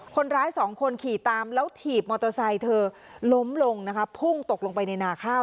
คนร้ายสองคนขี่ตามแล้วถีบมอเตอร์ไซค์เธอล้มลงนะคะพุ่งตกลงไปในนาข้าว